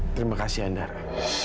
terima kasih andara